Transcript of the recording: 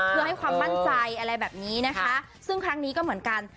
เพื่อให้ความมั่นใจอะไรแบบนี้นะคะซึ่งครั้งนี้ก็เหมือนกัน